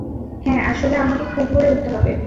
হ্যাঁ, আসলে আমাকে খুব ভোরে উঠতে হবে।